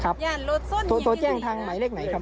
ก็เลยโทรแจ้งครับย่านรถส้นโทรแจ้งทางหมายเลขไหนครับ